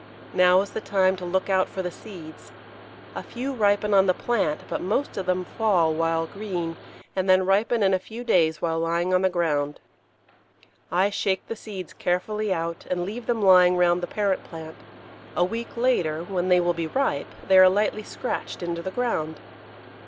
Now is the time to look out for the seeds. A few ripen on the plant, but most of them fall while green, and then ripen in a few days while lying on the ground. I shake the seeds carefully out, and leave them lying round the parent plant; a week later, when they will be ripe, they are lightly scratched into the ground.